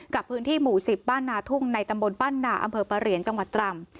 กับพื้นที่หมู่๑๐บ้านนาทุ่งในตำบลบ้านนาอำเภอปะเหรียญจังหวัดตรัง